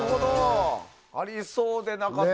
ありそうでなかった。